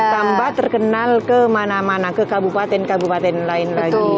tambah terkenal ke mana mana ke kabupaten kabupaten lain lagi